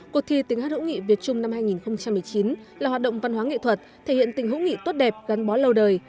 cuộc thi tiếng hát hữu nghị việt trung năm hai nghìn một mươi chín là hoạt động văn hóa nghệ thuật thể hiện tình hữu nghị tốt đẹp gắn bó lâu đời